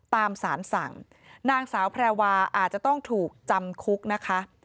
ตามสารสั่งนางสาวแพรวาอาจจะต้องถูกจำคุกนะคะ